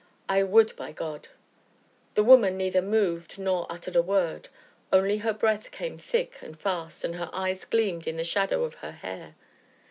"I would, by God!" The woman neither moved nor uttered a word, only her breath came thick and fast, and her eyes gleamed in the shadow of her hair.